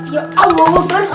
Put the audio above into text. ya allah wabarakatuh